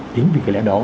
tính vì cái lẽ đó